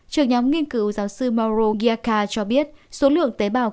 trường nhóm nghiên cứu giáo sư mauro ghiacca cho biết số lượng tế bào cơm